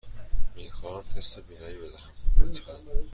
می خواهم تست بینایی بدهم، لطفاً.